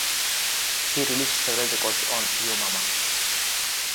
He released several records on Yo Mama.